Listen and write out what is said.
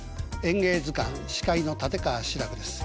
「演芸図鑑」司会の立川志らくです。